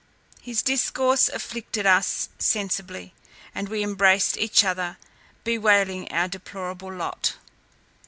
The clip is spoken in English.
His discourse afflicted us sensibly, and we embraced each other, bewailing our deplorable lot.